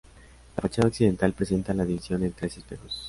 La fachada occidental presenta la división en tres espejos.